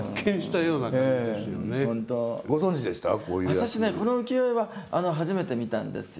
私この浮世絵は初めて見たんですよ。